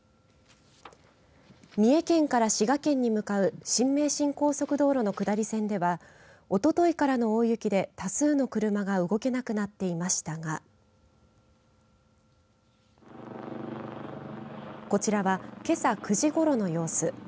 三重県から滋賀県に向かう新名神高速道路の下り線ではおとといからの大雪で多数の車が動けなくなっていましたがこちらは、けさ９時ごろの様子。